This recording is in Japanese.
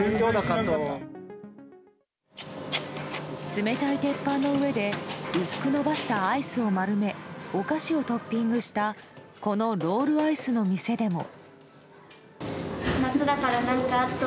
冷たい鉄板の上で薄く延ばしたアイスを丸めお菓子をトッピングしたこのロールアイスの店でも。